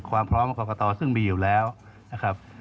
ความพร้อมกับความกระต่อซึ่งมีอยู่แล้วนะครับ